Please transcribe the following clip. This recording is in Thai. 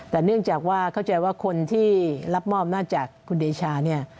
แต่เนื่องจากว่าเข้าใจว่าคนที่รับมอบอำนาจจากคุณเดชาเนี่ย